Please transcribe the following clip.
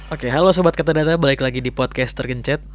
oke halo sobat ketadata balik lagi di podcast tergencet